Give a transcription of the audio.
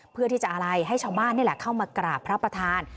เพื่อที่จะอะไรให้ชาวบ้านนี่แหละเข้ามากราบพระประธาน